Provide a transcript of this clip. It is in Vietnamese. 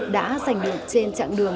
đã giành được trên chặng đường